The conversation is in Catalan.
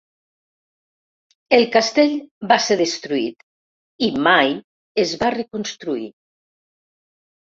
El castell va ser destruït i mai es va reconstruir.